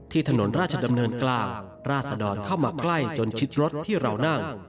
ถนนราชดำเนินกลางราศดรเข้ามาใกล้จนชิดรถที่เรานั่ง